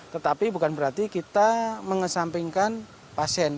tetapi bukan berarti kita mengesampingkan pasien